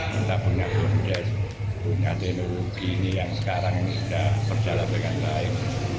kita mengatur teknologi ini yang sekarang sudah berjalan dengan baik